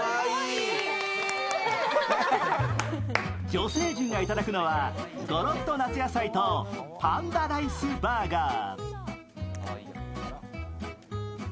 女性陣が頂くのは、ごろっと野菜とパンダライスバーガー。